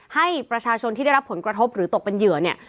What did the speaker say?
ให้ประชาชนที่ได้รับผลกระทบหรือตกเป็นเหยื่อเนี่ย